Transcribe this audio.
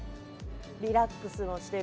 リラックスをしている。